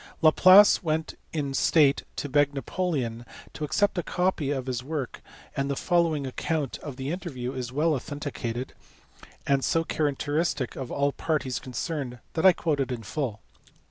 Laplace went in state to beg Napoleon to accept a copy of his work, and the following account of the interview is well authenticated, and so characteristic of all the parties concerned that I quote it in full.